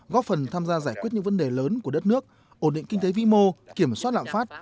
góp phần tham gia giải quyết những vấn đề lớn của đất nước ổn định kinh tế vĩ mô kiểm soát lạm phát